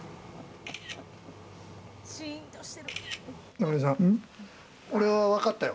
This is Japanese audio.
中西さん、俺は分かったよ。